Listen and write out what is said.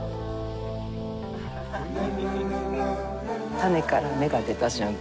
種から芽が出た瞬間